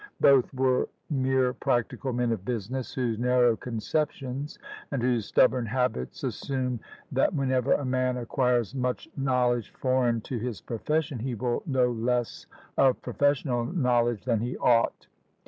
Both were mere practical men of business, whose narrow conceptions and whose stubborn habits assume that whenever a man acquires much knowledge foreign to his profession, he will know less of professional knowledge than he ought.